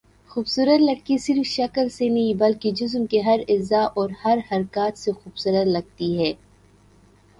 خوبصورت لڑکی صرف شکل سے نہیں بلکہ جسم کے ہر عضو اور ہر حرکت سے خوبصورت لگتی ہے